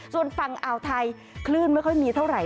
ส่วนฝั่งอ่าวไทยคลื่นไม่ค่อยมีเท่าไหร่